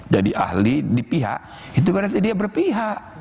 jadi ahli di pihak itu berarti dia berpihak